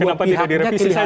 kenapa tidak direvisi saja